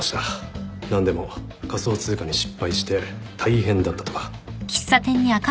何でも仮想通貨に失敗して大変だったとか。